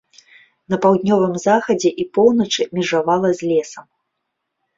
На паўднёвым захадзе і поўначы межавала з лесам.